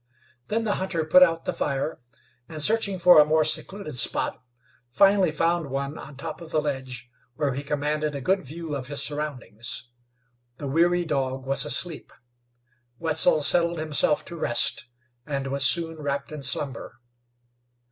Then the hunter put out the fire, and, searching for a more secluded spot, finally found one on top of the ledge, where he commanded a good view of his surroundings. The weary dog was asleep. Wetzel settled himself to rest, and was soon wrapped in slumber.